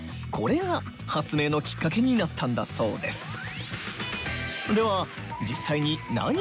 これが発明のきっかけになったんだそうです。